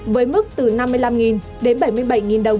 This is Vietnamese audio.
với mức từ năm mươi năm đến bảy mươi bảy đồng